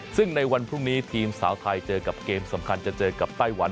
ซึ่งในวันพรุ่งนี้ทีมสาวไทยเจอกับเกมสำคัญจะเจอกับไต้หวัน